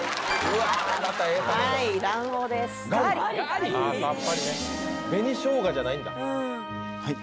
あさっぱりね紅しょうがじゃないんだはい